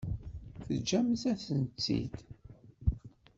Teǧǧamt-asent-tt-id.